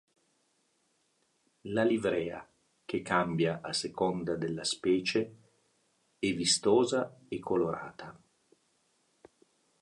La livrea, che cambia a seconda della specie, è vistosa e colorata.